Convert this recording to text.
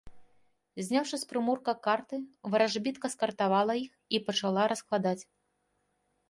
Зняўшы з прымурка карты, варажбітка скартавала іх і пачала раскладаць.